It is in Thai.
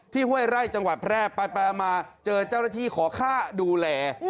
ห้วยไร่จังหวัดแพร่ไปมาเจอเจ้าหน้าที่ขอค่าดูแล